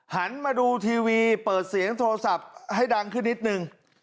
หันมาดูทีวีเปิดเสียงโทรศัพท์ให้ดังขึ้นนิดนึง